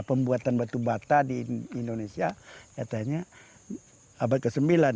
pembuatan batu bata di indonesia katanya abad ke sembilan